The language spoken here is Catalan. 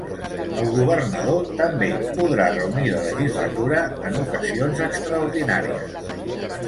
El governador també podrà reunir la legislatura en "ocasions extraordinàries".